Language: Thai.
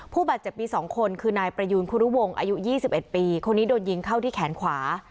ผู้บาดเจ็บมี๒คนคือนายประยูนภูรุวงศ์อายุ๒๑ปีคนนี้โดนยิงเข้าที่แขนขวา